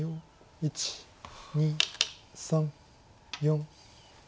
１２３４。